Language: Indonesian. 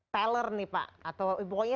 teller nih pak atau pokoknya